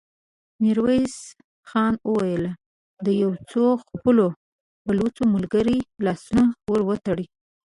ميرويس خان وويل: د يو څو خپلو بلوڅو ملګرو لاسونه ور وتړئ!